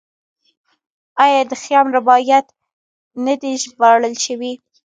آیا د خیام رباعیات نه دي ژباړل شوي؟